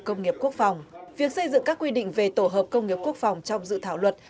công nghiệp quốc phòng việc xây dựng các quy định về tổ hợp công nghiệp quốc phòng trong dự thảo luật